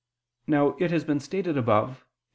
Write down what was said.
Now it has been stated above (Q.